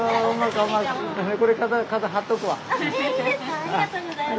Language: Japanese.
ありがとうございます。